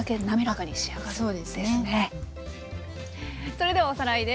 それではおさらいです。